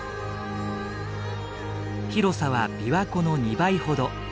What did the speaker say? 広さは琵琶湖の２倍ほど。